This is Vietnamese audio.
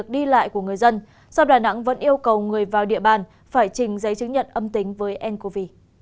đi lại của người dân sau đà nẵng vẫn yêu cầu người vào địa bàn phải trình giấy chứng nhận âm tính với ncov